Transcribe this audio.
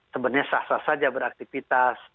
sebenarnya sah sah saja beraktivitas